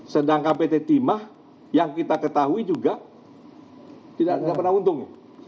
sedangkan pt timah yang kita ketahui juga tidak pernah untung